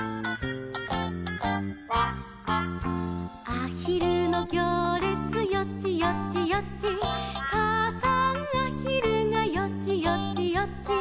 「あひるのぎょうれつよちよちよち」「かあさんあひるがよちよちよち」